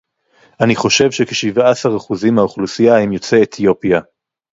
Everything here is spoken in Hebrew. אני חושב שכשבעה עשר אחוזים מהאוכלוסייה הם יוצאי אתיופיה